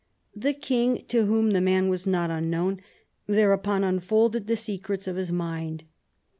The king, to whom the man was not unknown, thereupon unfolded the secrets of his mind.